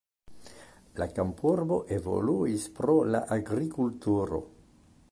La kampurbo evoluis pro la agrikulturo.